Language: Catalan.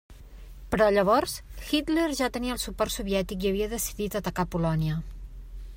Però llavors, Hitler ja tenia el suport soviètic i havia decidit atacar Polònia.